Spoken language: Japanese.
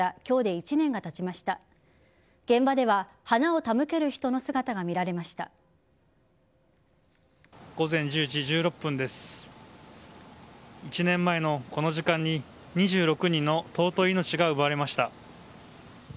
１年前のこの時間に２６人の尊い命が奪われました。